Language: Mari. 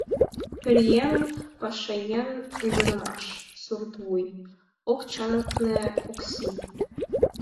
— Пӧръеҥ — пашаеҥ, ӱдырамаш — суртвуй, — ок чакне Окси.